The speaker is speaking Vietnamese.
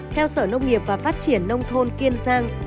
theo sở nông nghiệp và phát triển nông thôn kiên giang